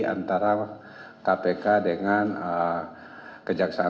antara kpk dan jakarta